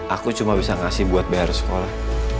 aku cuma bisa ngasih buat bayar sekolah